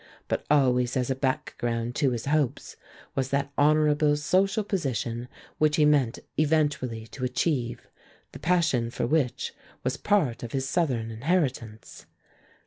But always as a background to his hopes was that honorable social position which he meant eventually to achieve, the passion for which was a part of his Southern inheritance.